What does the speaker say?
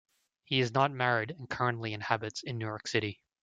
He is not married and currently inhabits in New York City.